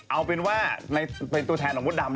เอาเป็นว่าเป็นตัวแทนของวดดำแล้วกัน